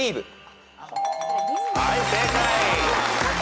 はい正解。